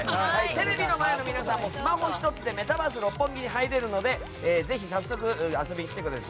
テレビの前の皆さんもスマホ１つでメタバース六本木に入れるのでぜひ早速遊びに来てください。